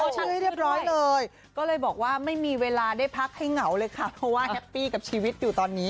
ชื่อให้เรียบร้อยเลยก็เลยบอกว่าไม่มีเวลาได้พักให้เหงาเลยค่ะเพราะว่าแฮปปี้กับชีวิตอยู่ตอนนี้